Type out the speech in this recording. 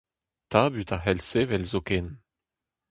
Tabut a c'hell sevel zoken.